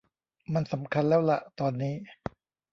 มันสำคัญแล้วล่ะตอนนี้